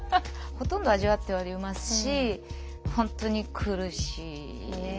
ほとんど味わっておりますし本当に苦しい。ね。